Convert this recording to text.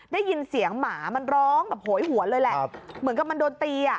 ได้ยินเสียงหมามันร้องแบบโหยหวนเลยแหละเหมือนกับมันโดนตีอ่ะ